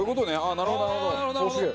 なるほどなるほど。